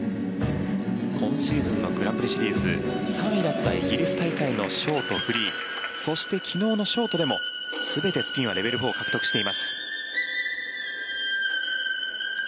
今シーズンのグランプリシリーズ３位だったイギリス大会のショート、フリーそして昨日のショートでも全てスピンはレベル４を獲得しています。